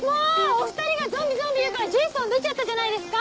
お２人が「ゾンビゾンビ」言うからジェイソン出ちゃったじゃないですか！